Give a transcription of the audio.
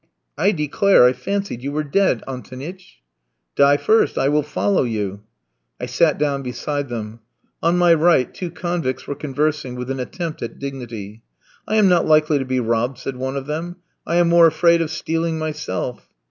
"I declare I fancied you were dead, Antonitch." "Die first, I will follow you." I sat down beside them. On my right two convicts were conversing with an attempt at dignity. "I am not likely to be robbed," said one of them. "I am more afraid of stealing myself."